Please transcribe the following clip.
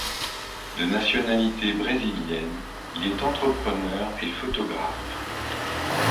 De nationalité brésilienne, il est entrepreneur et photographe.